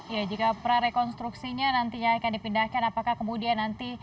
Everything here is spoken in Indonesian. ya jika prarekonstruksinya nantinya akan dipindahkan apakah kemudian nanti